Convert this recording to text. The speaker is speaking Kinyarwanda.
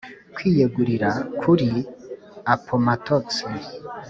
kwiyegurira kuri appomattox